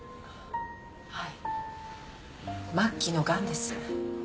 はい末期のがんです。